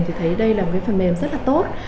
thì thấy đây là một cái phần mềm rất là tốt